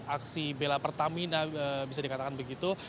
aksi bela pertamina bisa dikatakan begitu